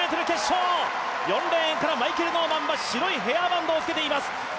４レーンからマイケル・ノーマンは白いヘアバンドを着けています。